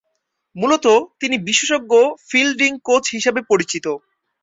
মূলতঃ তিনি বিশেষজ্ঞ ফিল্ডিং কোচ হিসেবে পরিচিত।